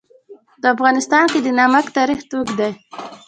په افغانستان کې د نمک تاریخ اوږد دی.